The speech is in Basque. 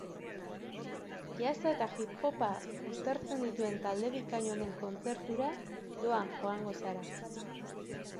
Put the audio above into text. Jazza eta hip hopa uztartzen dituen talde bikain honen kontzertura doan joango zara.